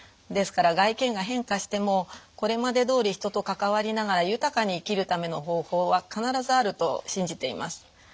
ですから外見が変化してもこれまでどおり人と関わりながら豊かに生きるための方法は必ずあると信じています。